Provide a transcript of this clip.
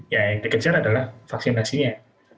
yang dikejar adalah vaksinasinya